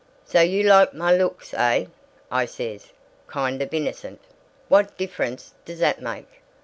"'So you like my looks, eh?' I says, kind of innocent. "'What difference does that make?